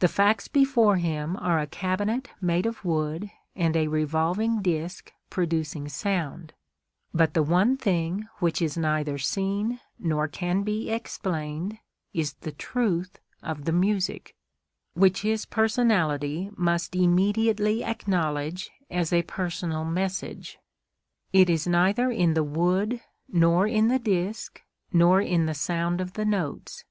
The facts before him are a cabinet made of wood and a revolving disc producing sound; but the one thing which is neither seen nor can be explained is the truth of the music, which his personality must immediately acknowledge as a personal message. It is neither in the wood, nor in the disc, nor in the sound of the notes.